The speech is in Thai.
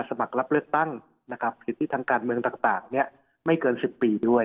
สมัครรับเลือกตั้งนะครับสิทธิทางการเมืองต่างไม่เกิน๑๐ปีด้วย